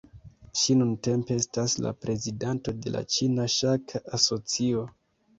Ŝi nuntempe estas la prezidanto de la Ĉina Ŝaka Asocio.